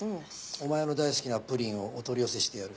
お前の大好きなプリンをお取り寄せしてやる。